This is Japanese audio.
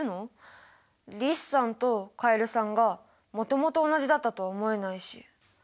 リスさんとカエルさんがもともと同じだったとは思えないし。